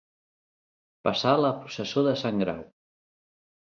Passar la processó de Sant Grau.